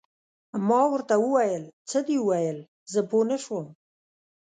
ما ورته وویل: څه دې وویل؟ زه پوه نه شوم.